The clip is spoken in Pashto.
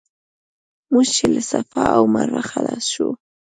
موږ چې له صفا او مروه خلاص شو.